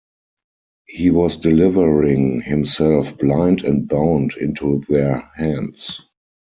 He was delivering himself blind and bound into their hands.